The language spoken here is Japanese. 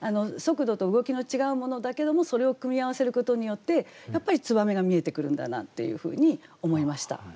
速度と動きの違うものだけどもそれを組み合わせることによってやっぱり燕が見えてくるんだなというふうに思いました。